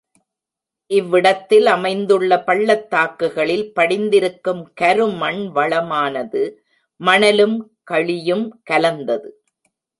இவ்விடத்தில் அமைந்துள்ள பள்ளத் தாக்குகளில் படிந்திருக்கும் கருமண் வளமானது மணலும் களியும் கலந்தது.